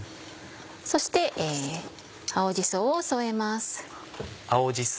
そして青じそを添えます。